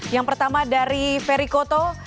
yang pertama dari ferikoto